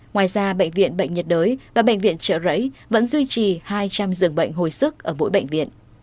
ngoài ra bệnh viện bệnh nhiệt đới và bệnh viện trợ rẫy vẫn duy trì hai trăm linh giường bệnh hồi sức ở mỗi bệnh viện